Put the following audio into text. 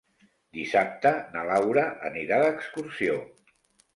Dissabte na Laura anirà d'excursió.